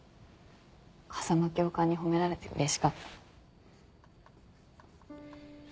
風間教官に褒められてうれしかった。